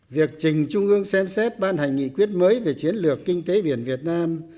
việc trình trung ương xem xét ban hành nghị quyết mới về chiến lược kinh tế biển việt nam